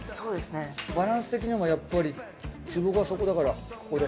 バランス的にはやっぱりつぼがそこだからここで。